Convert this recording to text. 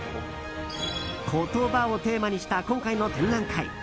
「言葉」をテーマにした今回の展覧会。